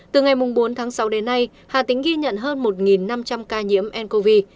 từ ngày bốn tháng sáu đến nay hạ tính ghi nhận hơn một năm trăm linh ca nhiễm ncov